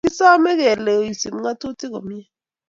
Kisame kelee oisib ngatutik komie